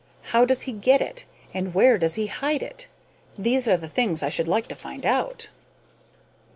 How does he get it, and where does he hide it? These are the things I should like to find out."